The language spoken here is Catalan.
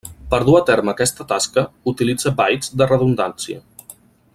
Per dur a terme aquesta tasca, utilitza bytes de redundància.